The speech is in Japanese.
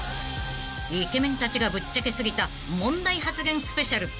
［イケメンたちがぶっちゃけ過ぎた問題発言スペシャル］